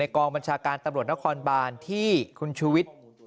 กองบัญชาการตำรวจนครบานที่คุณชูวิทย์